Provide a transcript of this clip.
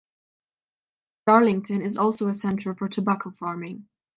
Darlington is also a center for tobacco farming.